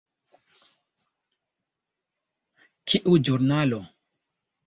Kiu ĵurnalo?